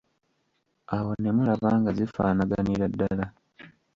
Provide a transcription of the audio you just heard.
Awo ne mulaba nga zifaanaganira ddala.